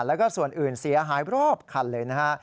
แล้วก็ส่วนอื่นเสียหายรอบคันเลยนะฮะ